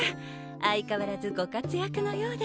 相変わらずご活躍のようで。